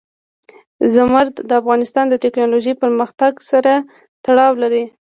زمرد د افغانستان د تکنالوژۍ پرمختګ سره تړاو لري.